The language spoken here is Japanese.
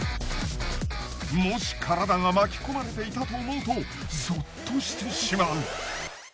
もし体が巻き込まれていたと思うとゾッとしてしまう。